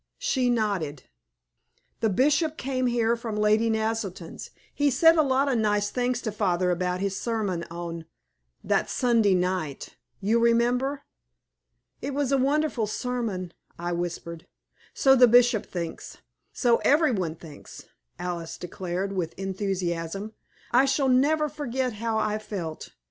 She nodded. "The Bishop came here from Lady Naselton's. He said a lot of nice things to father about his sermon on that Sunday night you remember." "It was a wonderful sermon," I whispered. "So the Bishop thinks; so every one thinks," Alice declared, with enthusiasm. "I shall never forget how I felt.